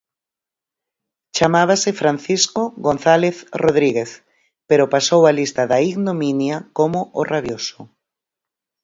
Chamábase Francisco González Rodríguez pero pasou a lista da ignominia como O Rabioso.